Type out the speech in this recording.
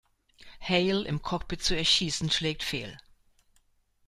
Hale im Cockpit zu erschießen schlägt fehl.